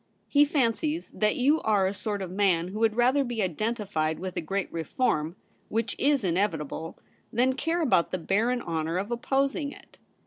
He fancies that you are a sort of man who would rather be identified with a great reform, which is inevitable, than care about the barren honour of opposing it.